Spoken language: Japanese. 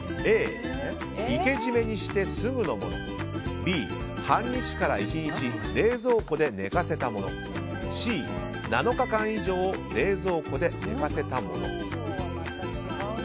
Ａ、生け締めにしてすぐのものＢ、半日から１日冷蔵庫で寝かせたものＣ、７日間以上冷蔵庫で寝かせたもの。